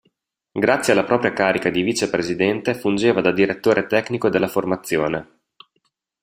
Grazie alla propria carica di vice presidente fungeva da direttore tecnico della formazione.